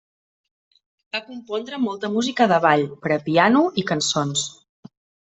Va compondre molta música de ball, per a piano i cançons.